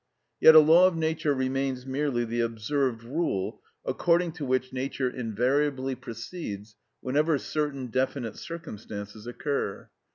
Yet a law of nature remains merely the observed rule according to which nature invariably proceeds whenever certain definite circumstances occur.